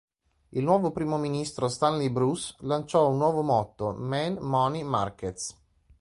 Il nuovo primo ministro, Stanley Bruce lanciò un nuovo motto: "Men, Money, Markets".